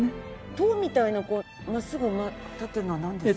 塔みたいな真っすぐ立ってるのはなんですか？